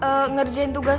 tante nurul aku mau nungguin